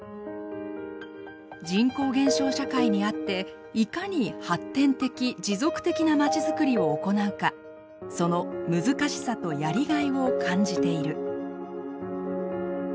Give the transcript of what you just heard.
「人口減少社会にあっていかに発展的持続的なまちづくりを行うかその難しさとやりがいを感じている」。